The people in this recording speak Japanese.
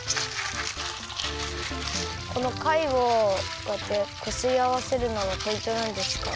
このかいをこうやってこすりあわせるのがポイントなんですか？